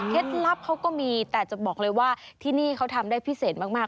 ลับเขาก็มีแต่จะบอกเลยว่าที่นี่เขาทำได้พิเศษมาก